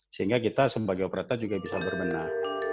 sehingga kita sebagai operator juga bisa berbenah